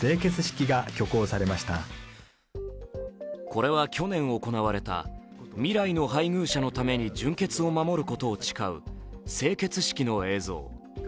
これは去年行われた未来の配偶者のために純潔を守ることを誓う聖決式の映像。